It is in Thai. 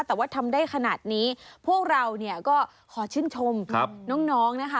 แต่ว่าทำได้ขนาดนี้พวกเราเนี่ยก็ขอชื่นชมน้องนะคะ